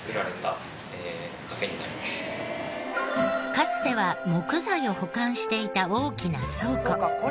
かつては木材を保管していた大きな倉庫。